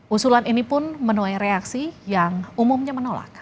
usulan ini pun menuai reaksi yang umumnya menolak